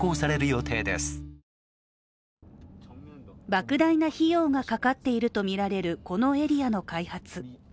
ばく大な費用がかかっているとみられるこのエリアの開発。